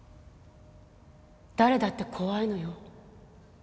誰だって怖いのよ